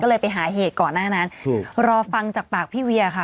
ก็เลยไปหาเหตุก่อนหน้านั้นรอฟังจากปากพี่เวียค่ะ